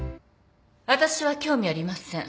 私は興味ありません。